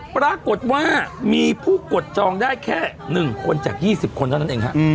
ปรากฏว่ามีผู้กดจองได้แค่๑คนจาก๒๐คนเท่านั้นเองฮะ